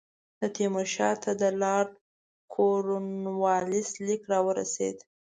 د تیمور شاه ته د لارډ کورنوالیس لیک را ورسېد.